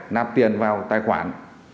nạp tiền vào tài khoản